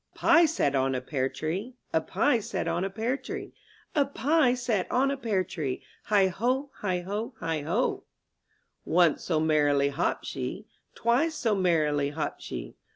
A PIE sat on a pear tree, ^^ A pie sat on a pear tree, A pie sat on a pear tree, Heigh O, heigh O, heigh 0! Once so merrily hopped she, Twice so merrily hopped she.